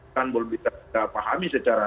kita pahami secara